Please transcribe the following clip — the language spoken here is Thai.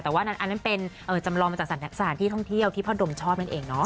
แต่ว่าอันนั้นเป็นจำลองมาจากสถานที่ท่องเที่ยวที่พ่อดมชอบนั่นเองเนาะ